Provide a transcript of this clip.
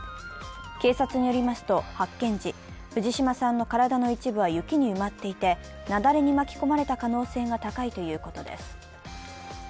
警察によりますと、発見時、藤島さんの体の一部は雪に埋まっていて、雪崩に巻き込まれた可能性が高いということです。